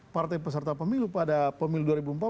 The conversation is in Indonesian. partai peserta pemilu pada pemilu dua ribu empat belas